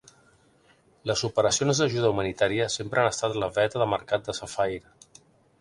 Les operacions d'ajuda humanitària sempre han estat la veta de mercat de Safair.